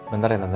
bentar ya tante